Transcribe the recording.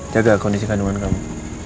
jaga kondisi kandungan kamu